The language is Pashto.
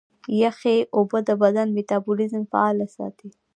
یخي اوبه د بدن میتابولیزم فعاله ساتي.